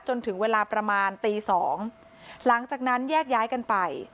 จนถึงเวลาประมาณตีสองหลังจากนั้นแยกย้ายกันไป